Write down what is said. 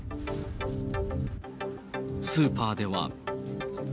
スーパーでは。